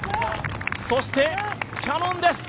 そしてキヤノンです。